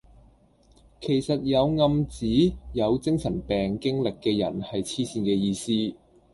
其實有暗指有精神病經歷嘅人係痴線嘅意思